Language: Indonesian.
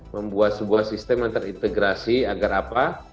membuat sebuah sistem yang terintegrasi agar apa